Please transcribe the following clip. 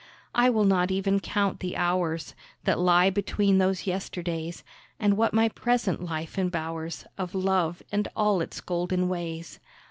I will not even count the hours, That lie between those yesterdays And what my present life embowers, Of love and all its golden ways.